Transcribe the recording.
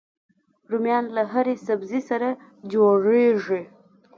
رومیان له هرې سبزي سره جوړيږي